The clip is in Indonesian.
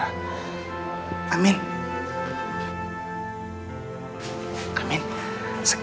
dan kan itu yang langsung menggobopuk